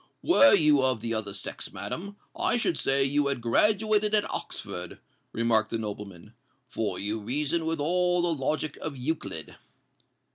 "Were you of the other sex, madam, I should say you had graduated at Oxford," remarked the nobleman; "for you reason with all the logic of Euclid."